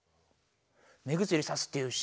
「目薬をさす」って言うし。